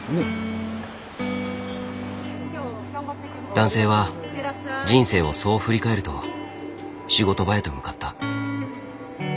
男性は人生をそう振り返ると仕事場へと向かった。